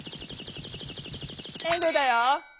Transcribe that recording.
エンドゥだよ！